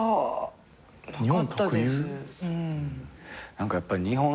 何かやっぱり日本